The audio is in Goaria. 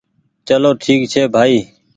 چلو ٺيڪ ڇي ڀآئي